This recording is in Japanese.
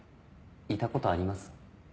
いたことあります？